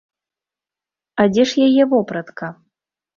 А дзе ж яе вопратка?